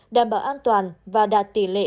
đảm bảo an toàn và đạt tỷ lệ